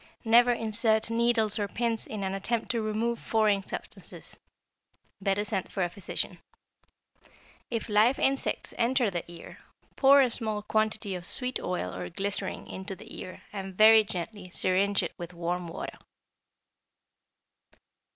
Never insert needles or pins in an attempt to remove foreign substances. Better send for a physician. If live insects enter the ear, pour a small quantity of sweet oil or glycerin into the ear and very gently syringe it with warm water.